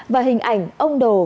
và hình ảnh ông đồ